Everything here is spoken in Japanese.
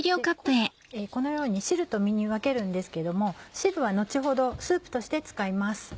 このように汁と身に分けるんですけども汁は後ほどスープとして使います。